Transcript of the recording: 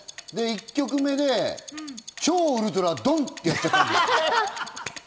１曲目で超ウルトラドンってやった。